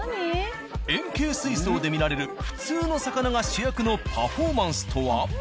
円形水槽で見られる普通の魚が主役のパフォ―マンスとは？